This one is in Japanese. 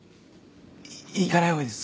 いっ行かない方がいいです